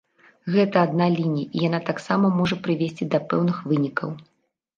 Гэта адна лінія і яна таксама можа прывесці да пэўных вынікаў.